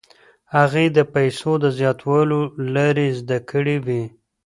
هغې د پیسو د زیاتولو لارې زده کړې وې.